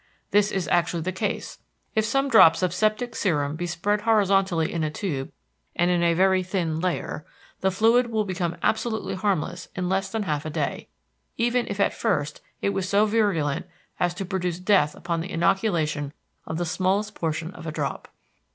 This is actually the case. If some drops of septic serum be spread horizontally in a tube and in a very thin layer, the fluid will become absolutely harmless in less than half a day, even if at first it was so virulent as to produce death upon the inoculation of the smallest portion of a drop.